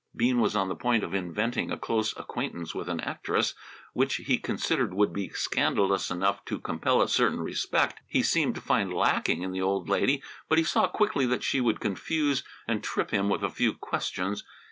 Bean was on the point of inventing a close acquaintance with an actress, which he considered would be scandalous enough to compel a certain respect he seemed to find lacking in the old lady, but he saw quickly that she would confuse and trip him with a few questions.